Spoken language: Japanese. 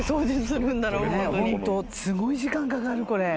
すごい時間かかるこれ。